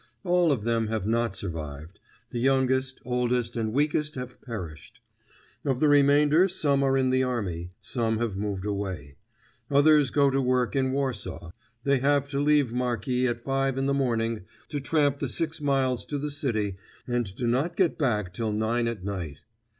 All of them have not survived; the youngest, oldest and weakest have perished. Of the remainder some are in the army. Some have moved away. Others go to work in Warsaw; they have to leave Marki at five in the morning to tramp the six miles to the city and do not get back till nine at night.